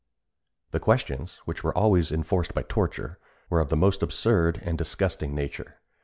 The questions, which were always enforced by torture, were of the most absurd and disgusting nature.